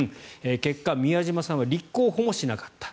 結果、宮島さんは立候補もしなかった。